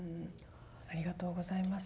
ありがとうございます。